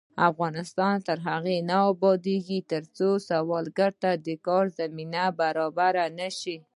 افغانستان تر هغو نه ابادیږي، ترڅو سوالګر ته د کار زمینه برابره نشي.